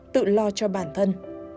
tự lo cho bản thân